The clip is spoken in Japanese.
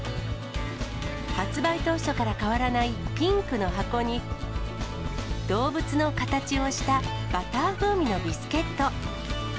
発売当初から変わらないピンクの箱に、動物の形をしたバター風味のビスケット。